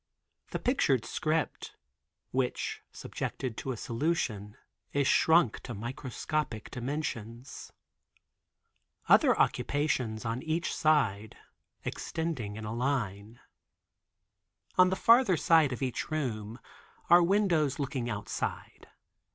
The pictured script, which subjected to a solution, is shrunk to microscopic dimensions. Other occupations are on each side, extending in a line. On the farther side of each room are windows looking outside.